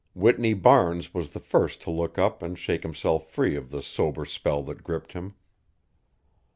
Whitney Barnes was the first to look up and shake himself free of the sober spell that gripped him.